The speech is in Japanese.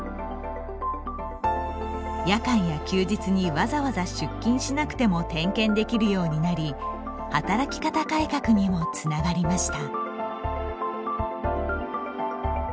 夜間や休日にわざわざ出勤しなくても点検できるようになり働き方改革にもつながりました。